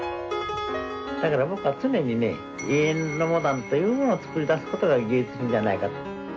だから僕は常にね「永遠のモダン」というものを作り出すことが芸術じゃないかと。